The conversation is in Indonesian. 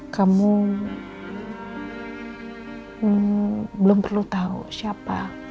kamu belum perlu tahu siapa